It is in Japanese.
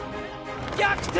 逆転！